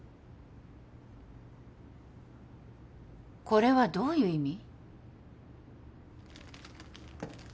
これはどういう意味？